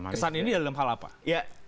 kesan ini dalam hal apa